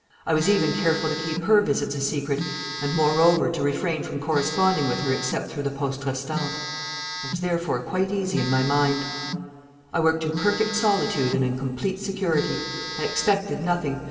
"I was even careful to keep her visits a secret and, moreover, to refrain from corresponding with her except through the poste restante. I was therefore quite easy in my mind. "I worked in perfect solitude and in complete security. I expected nothing.